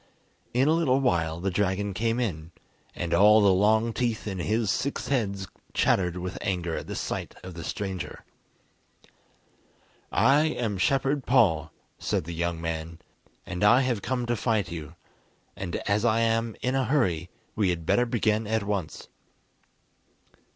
In a little while the dragon came in, and all the long teeth in his six heads chattered with anger at the sight of the stranger. "I am Shepherd Paul," said the young man, "and I have come to fight you, and as I am in a hurry we had better begin at once."